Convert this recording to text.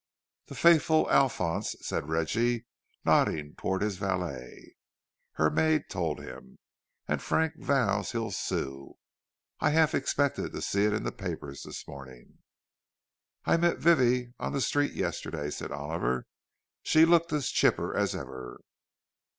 "The faithful Alphonse," said Reggie, nodding toward his valet. "Her maid told him. And Frank vows he'll sue—I half expected to see it in the papers this morning." "I met Vivie on the street yesterday," said Oliver. "She looked as chipper as ever."